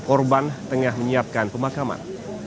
korban tengah menyiapkan pemakaman